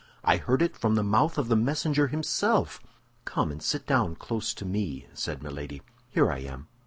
"I heard it from the mouth of the messenger himself." "Come and sit down close to me," said Milady. "Here I am."